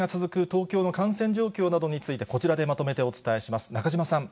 東京の感染状況などについて、こちらでまとめてお伝えします。